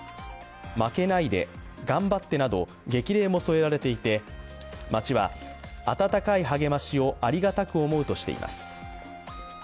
負けないで、頑張ってなど、激励も添えられていて、町は、温かい励ましをありがたく思うとしています。